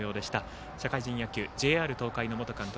社会人野球、ＪＲ東海の元監督